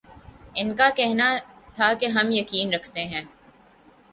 ان کا کہنا تھا کہ ہم یقین رکھتے ہیں